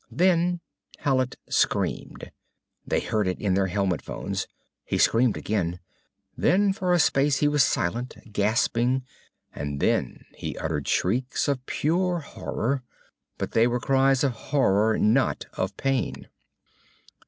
Then Hallet screamed. They heard it in their helmet phones. He screamed again. Then for a space he was silent, gasping, and then he uttered shrieks of pure horror. But they were cries of horror, not of pain.